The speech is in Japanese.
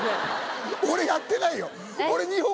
俺やってないよ。